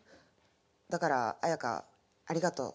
だからアヤカありがとう。